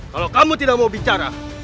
kalau kamu tidak mau bicara